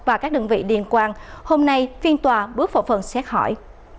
và các đơn vị liên quan hôm nay phiên tòa bước vào phần xét hỏi